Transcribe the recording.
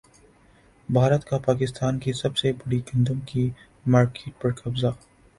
بھارت کا پاکستان کی سب سے بڑی گندم کی مارکیٹ پر قبضہ